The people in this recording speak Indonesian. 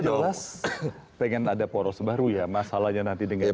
jelas pengen ada poros baru ya masalahnya nanti dengan pdi